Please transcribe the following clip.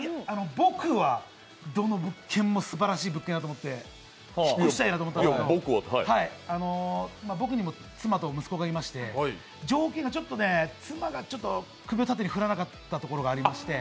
僕は、どの物件もすばらしい物件だと思って引っ越したいなと思ったんですけど、僕にも妻と息子がいまして、条件がちょっと、妻が首を縦に振らなかったところがありまして。